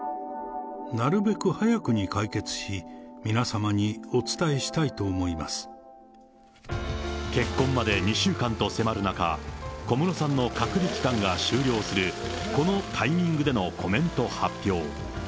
なるべく早くに解決し、結婚まで２週間と迫る中、小室さんの隔離期間が終了するこのタイミングでのコメント発表。